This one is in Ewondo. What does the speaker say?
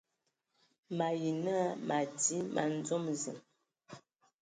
Mayi nə madi man dzom ziŋ.